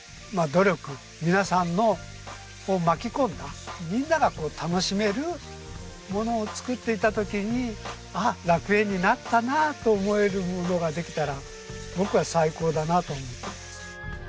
皆さんを巻き込んだみんなが楽しめるものを作っていった時に「ああ楽園になったな」と思えるものができたら僕は最高だなと思っています。